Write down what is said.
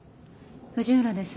藤浦です。